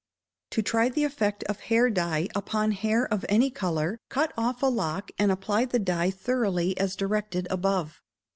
To try the effect of hair dye upon hair of any colour, cut off a lock and apply the dye thoroughly as directed above.